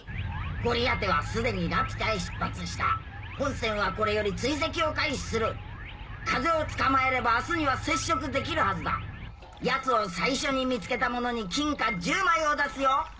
・ゴリアテはすでにラピュタへ出発した・・本船はこれより追跡を開始する・・風をつかまえれば明日には接触できるはずだ・・やつを最初に見つけた者に金貨１０枚を出すよ！